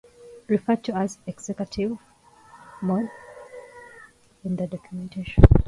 Referred to as "executive" mode in the documentation.